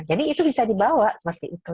jadi itu bisa dibawa seperti itu